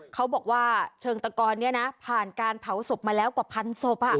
เขาบอกว่าเชิงตะกรนี้นะผ่านการเผาศพมาแล้วกว่าพันศพ